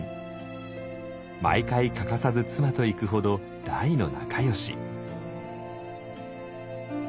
毎回欠かさず妻と行くほど大の仲よし。